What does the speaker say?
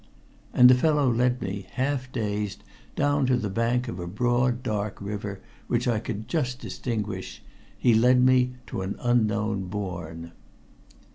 And the fellow led me, half dazed, down to the bank of a broad, dark river which I could just distinguish he led me to an unknown bourne.